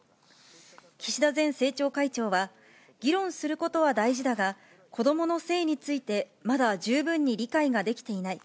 岸田前政調会長は、議論することは大事だが、子どもの姓についてまだ十分に理解ができていない。